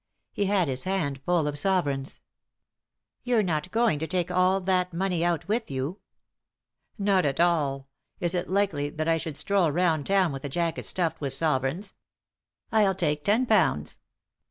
He had his hand full of sovereigns. "You're not going to take all that money out with you ?" "Not all. Is it likely that I should stroll round town with a jacket stuffed with sovereigns? I'll take ten pounds."